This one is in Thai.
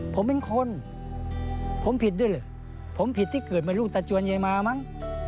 ผมเป็นคนผมผิดด้วยเหรอผมผิดที่เกิดมาลูกตาจวนยายมามั้ง